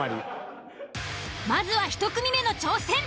まずは１組目の挑戦。